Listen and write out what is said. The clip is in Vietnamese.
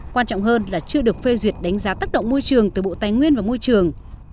quan trọng hơn là chưa được phê duyệt đánh giá tác động môi trường từ bộ tài nguyên và môi trường